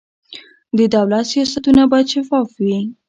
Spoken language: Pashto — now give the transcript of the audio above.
د دولت سیاستونه باید شفاف وي